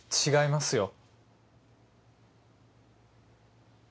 違いますよ。